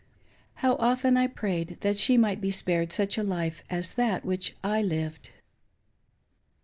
How often I prayed that she might be spared such a life as that which I lived.